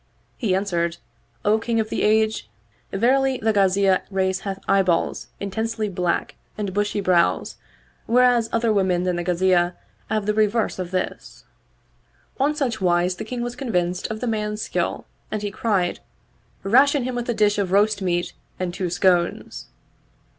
He answered, "O King of the Age, verily the Ghaziyah race hath eye balls intensely black and bushy brows, whereas other women than the Ghaziyah have the reverse of this." On such wise the King was convinced of the man's skill and he cried, " Ration him with a dish of roast meat and two scones."